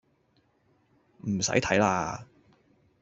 唔使睇喇